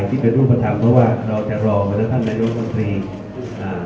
ที่เป็นรูปประถังเพราะว่าเราจะรอเวลาท่านนายน้องมันทรีย์อ่า